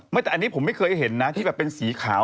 แต่อันนี้ผมไม่เคยเห็นนะที่แบบเป็นสีขาว